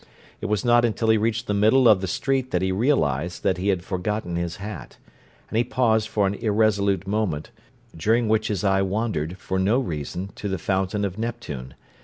It was not until he reached the middle of the street that he realized that he had forgotten his hat; and he paused for an irresolute moment, during which his eye wandered, for no reason, to the Fountain of Neptune.